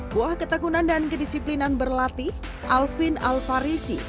buah ketakunan dan kedisiplinan berlatih alvin alfarisi